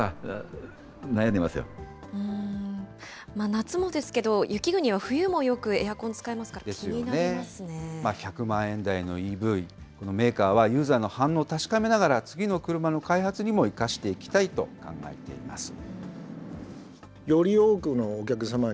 夏もですけど、雪国は冬もよくエアコン使いますから、気にな１００万円台のＥＶ、メーカーはユーザーの反応を確かめながら、次の車の開発にも生かしていきたいと考えています。